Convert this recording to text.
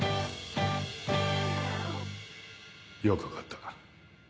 よく分かった。